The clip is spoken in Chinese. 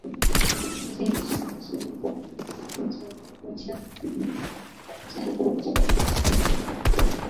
抽签仪式同时决定出种子国将各在哪场预赛中投票。